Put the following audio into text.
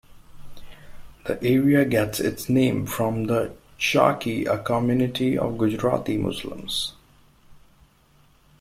The area gets its name from the Chakee, a community of Gujarati Muslims.